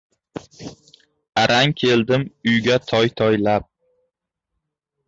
Arang keldim uyga toy-toylab.